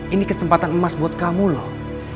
ini kesempatan emas buat kamu loh